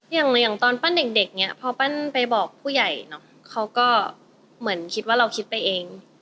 อย่างตอนปั้นเด็กเนี่ยพอปั้นไปบอกผู้ใหญ่เนอะเขาก็เหมือนคิดว่าเราคิดไปเอง